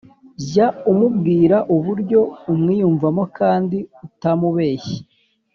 jya umubwira uburyo umwiyumvamo kandi utamubeshye.